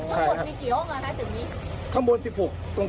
ทั้งหมดมีกี่ห้องแล้วนะถึงนี้